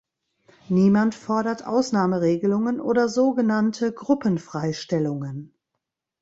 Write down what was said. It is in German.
Niemand fordert Ausnahmeregelungen oder so genannte Gruppenfreistellungen.